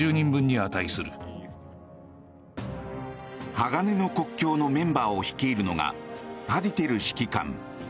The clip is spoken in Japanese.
鋼の国境のメンバーを率いるのがパディテル指揮官。